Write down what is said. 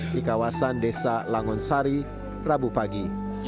di kawasan desa langonsari rabu pagi